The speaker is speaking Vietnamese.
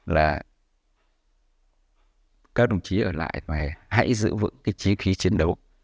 là các đồng chí ở lại và hãy giữ vững cái chí khí chiến đấu